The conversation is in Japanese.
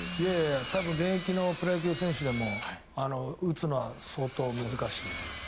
多分現役のプロ野球選手でも打つのは相当難しい。